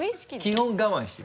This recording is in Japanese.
基本我慢して。